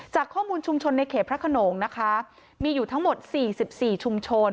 จากข้อมูลชุมชนในเขตพระขนงนะคะมีอยู่ทั้งหมด๔๔ชุมชน